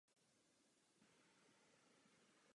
Dětství prožil v Horním Slezsku.